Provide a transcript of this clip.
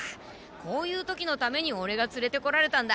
こういう時のためにオレがつれてこられたんだ。